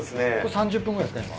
３０分ぐらいですか今。